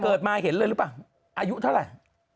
มาเห็นเลยหรือเปล่าอายุเท่าไหร่